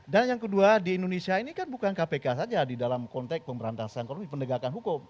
dan yang kedua di indonesia ini kan bukan kpk saja di dalam konteks pemberantasan ekonomi pendegakan hukum